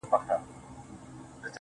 خو وخته لا مړ سوى دی ژوندى نـه دی.